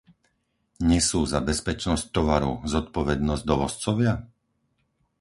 Nesú za bezpečnosť tovaru zodpovednosť dovozcovia?